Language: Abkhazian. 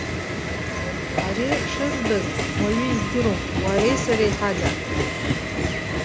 Ари шызбаз уаҩы издырӡом уареи сареи ҳада.